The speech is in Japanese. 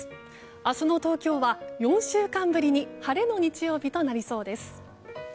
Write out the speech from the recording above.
明日の東京は、４週間ぶりに晴れの日曜日となりそうです。